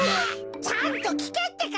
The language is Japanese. ちゃんときけってか！